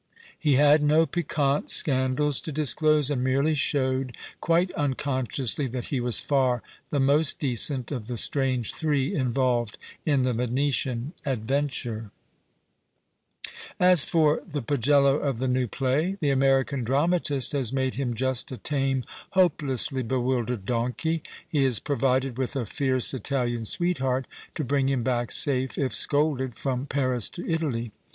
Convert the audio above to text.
He had no piquant scandals to dis close, and merely showed, quite luiconsciously, that he was far the most decent of the strange three involved in the Venetian adventure. 245 PASTICHE AND PREJUDICE As for the Pagello of the new play, tlie American dramatist has made him just a tame, hopelessly bewildered donkey. He is provided with a fierce Italian sweetheart, to bring him buck safe, if scolded, from Paris to Italy.